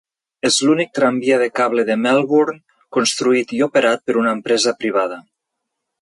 És l'únic tramvia de cable de Melbourne construït i operat per una empresa privada.